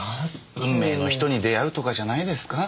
運命の人に出会うとかじゃないですか。